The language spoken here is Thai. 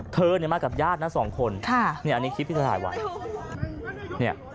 เธอมากับญาตินะสองคนอันนี้คลิปที่เธอถ่ายไว้